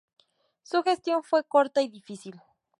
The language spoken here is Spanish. Su gestión fue corta y difícil.